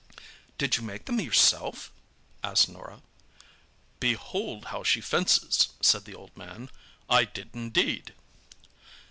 "Did you make them yourself?" asked Norah. "Behold how she fences!" said the old man. "I did indeed!"